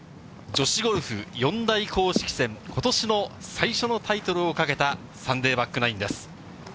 女子ゴルフ４大公式戦、ことしの最初のタイトルをかけた、サンデーバックナインです。